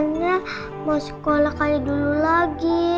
pengennya mau sekolah kali dulu lagi